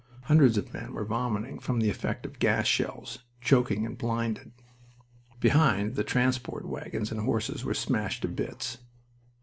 Hundreds of men were vomiting from the effect of gas shells, choking and blinded. Behind, the transport wagons and horses were smashed to bits.